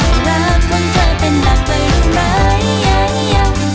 เพราะอะไรเพราะอะไรไม่แค่รถหลังหลัง